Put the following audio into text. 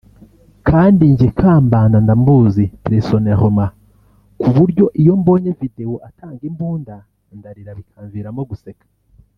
Kandi njye Kambanda ndamuzi personnellement ku buryo iyo mbonye vidéo atanga imbunda ndarira bikamviramo guseka